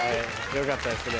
よかったですね